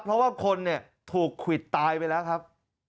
เพราะว่าคนเนี่ยถูกควิดตายไปแล้วครับ